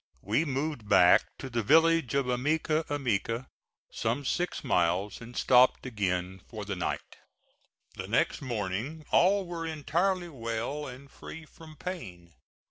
We moved back to the village of Ameca Ameca, some six miles, and stopped again for the night. The next morning all were entirely well and free from pain.